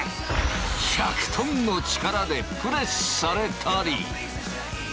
１００トンの力でプレスされたり。